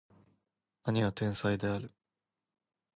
兄は天才である